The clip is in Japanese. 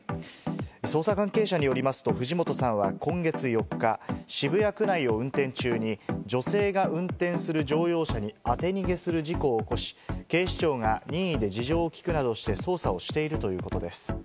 捜査関係者によりますと、藤本さんは今月４日、渋谷区内を運転中に女性が運転する乗用車に当て逃げする事故を起こし、警視庁が任意で事情を聞くなどして捜査をしているということです。